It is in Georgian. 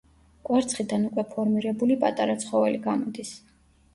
კვერცხიდან უკვე ფორმირებული პატარა ცხოველი გამოდის.